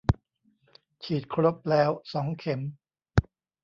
ฉีดครบแล้ว สองเข็ม